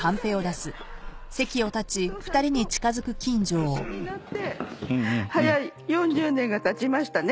「お父さんと一緒になって早４０年がたちましたね」